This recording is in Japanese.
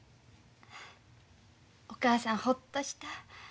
お母さんほっとした。